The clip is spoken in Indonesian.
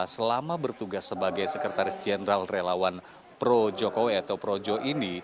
selama bertugas sebagai sekretaris jeneral relawan projo ini